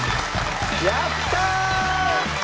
やった！